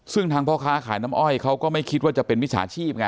ซึ่งทางพ่อค้าขายน้ำอ้อยเขาก็ไม่คิดว่าจะเป็นมิจฉาชีพไง